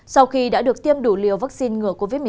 sau khi đã được tiêm đủ liều vaccine ngừa covid một mươi chín